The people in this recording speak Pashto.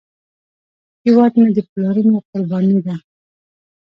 هیواد مې د پلرونو قرباني ده